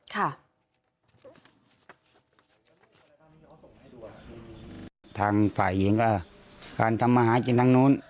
ทางฝ่ายหญิงก็การทำมาหาจริงทางนู้น